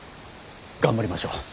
頑張りましょう。